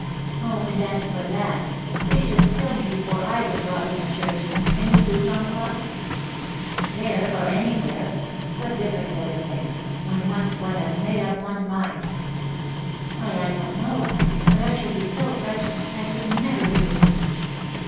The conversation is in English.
"Oh, and as for that, they should kill me before I would rob in a church; and you, too, François?" "There, or anywhere; what difference does it make, when once one has made up one's mind?" "Why, I don't know; but I should be so frightened, I could never do it."